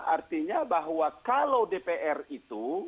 artinya bahwa kalau dpr itu